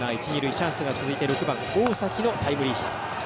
チャンスが続いて６番大崎のタイムリーヒット。